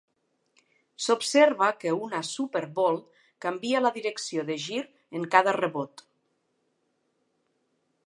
S'observa que una Super Ball canvia la direcció de gir en cada rebot.